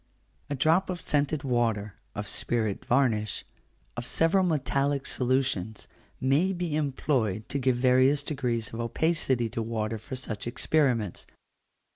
A drop of scented water, of spirit varnish, of several metallic solutions, may be employed to give various degrees of opacity to water for such experiments.